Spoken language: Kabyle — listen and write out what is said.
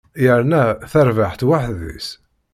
Yerna tarbaεt weḥd-s.